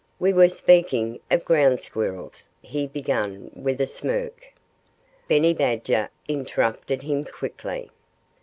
"We were speaking of Ground Squirrels " he began with a smirk. Benny Badger interrupted him quickly.